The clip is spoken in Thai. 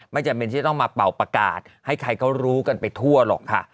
จำเป็นที่จะต้องมาเป่าประกาศให้ใครเขารู้กันไปทั่วหรอกค่ะ